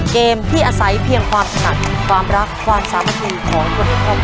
เกมที่อาศัยเพียงความสนัดความรักความรัก